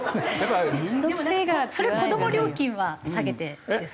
それは子ども料金は下げてですか？